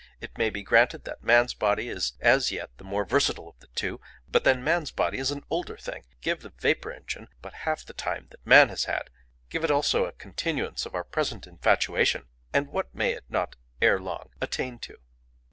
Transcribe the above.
It may be granted that man's body is as yet the more versatile of the two, but then man's body is an older thing; give the vapour engine but half the time that man has had, give it also a continuance of our present infatuation, and what may it not ere long attain to?